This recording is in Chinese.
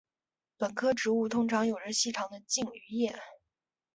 本科植物通常有着细长的茎与叶。